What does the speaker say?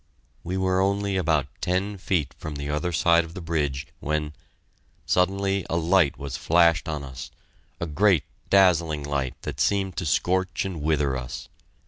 We were only about ten feet from the other side of the bridge, when... suddenly a light was flashed on us, a great dazzling light that seemed to scorch and wither us.